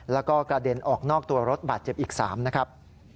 แล้วก็กระเด็นออกนอกตัวรถบาดเจ็บอีก๓นะครับ